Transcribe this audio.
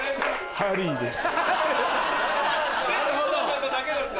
「ハリーです」